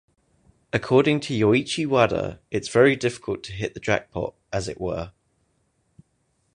According to Yoichi Wada, It's very difficult to hit the jackpot, as it were.